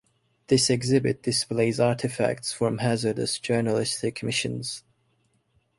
This exhibit displays artifacts from hazardous journalistic missions.